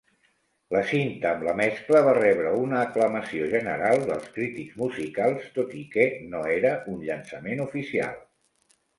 La cinta amb la mescla va rebre una aclamació general dels crítics musicals, tot i que no era un llançament oficial.